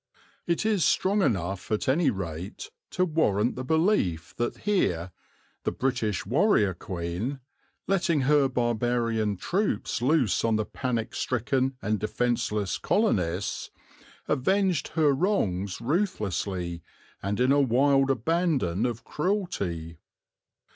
It is strong enough at any rate to warrant the belief that here "the British warrior Queen," letting her barbarian troops loose on the panic stricken and defenceless colonists, avenged her wrongs ruthlessly and in a wild abandon of cruelty.